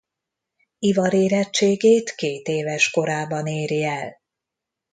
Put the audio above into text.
Ivarérettségét kétéves korában éri el.